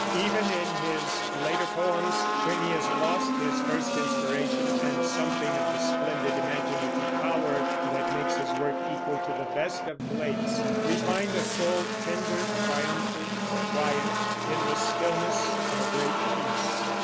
Even in his later poems, when he has lost his first inspiration and something of the splendid imaginative power that makes his work equal to the best of Blake's, we find a soul tender, triumphant, quiet, "in the stillness of a great peace."